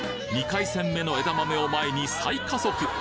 ２回戦目の枝豆を前に再加速。